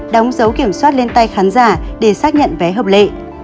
đóng dấu kiểm soát lên tay khán giả để xác nhận vé hợp lệ